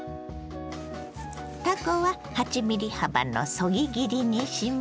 たこは８ｍｍ幅のそぎ切りにします。